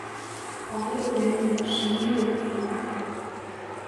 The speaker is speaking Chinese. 皇佑元年十一月卒。